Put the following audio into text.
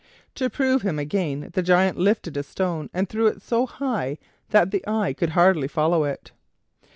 To prove him again, the Giant lifted a stone and threw it so high that the eye could hardly follow it.